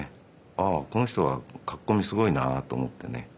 「ああこの人は描き込みすごいな」と思ってね